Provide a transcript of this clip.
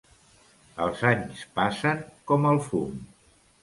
Els anys passen com el fum.